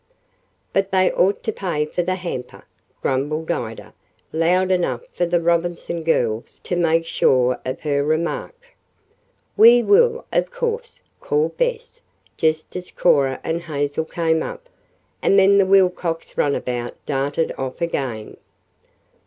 "But they ought to pay for the hamper," grumbled Ida, loud enough for the Robinson girls to make sure of her remark. "We will, of course," called Bess, just as Cora and Hazel came up, and then the Wilcox runabout darted off again.